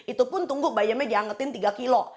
itu pun tunggu bayamnya diangetin tiga kilo